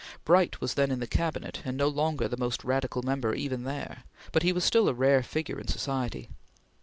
Bright was then in the Cabinet, and no longer the most radical member even there, but he was still a rare figure in society.